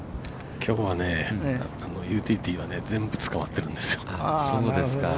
◆きょうはユーティリティーは全部つかまってるんですよ。